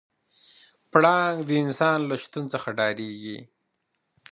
پړانګ د انسان له شتون څخه ډارېږي.